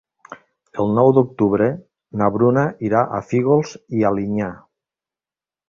El nou d'octubre na Bruna irà a Fígols i Alinyà.